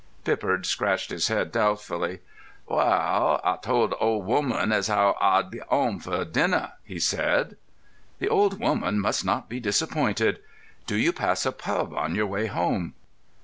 Pippard scratched his head doubtfully. "Well, Ah told th' old 'ooman as 'ow Ah'd be wome for dinner," he said. "The old woman must not be disappointed. Do you pass a pub on your way home?"